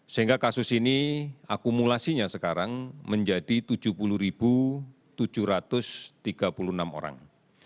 sehingga kasus ini akumulasinya sekarang menjadi tujuh puluh tujuh ratus tiga puluh enam orang